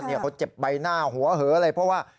เขาเจ็บใบหน้าหัวเหออะไรเพราะว่า